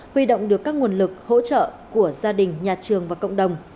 huy động được các nguồn lực hỗ trợ của gia đình nhà trường và cộng đồng